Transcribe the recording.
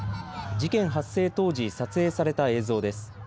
事件発生当時、撮影された映像です。